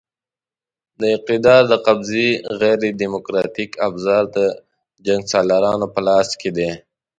د اقتدار د قبضې غیر دیموکراتیک ابزار د جنګسالارانو په لاس کې دي.